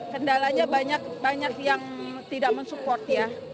kendalanya banyak banyak yang tidak mensupport ya